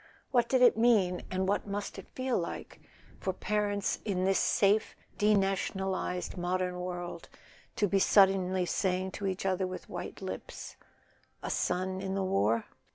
What did it mean, and what must it feel like, for parents in this safe denationalized modern world to be suddenly saying to each other with white lips: A son in the war